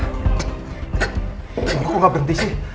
kok nggak berhenti sih